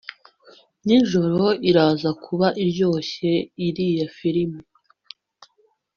nijoro iraza kuba iryoshye iriya firime